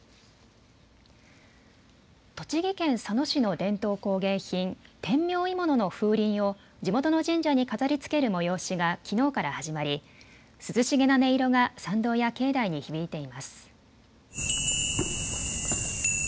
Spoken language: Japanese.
栃木県佐野市の伝統工芸品、天明鋳物の風鈴を地元の神社に飾りつける催しがきのうから始まり涼しげな音色が参道や境内に響いています。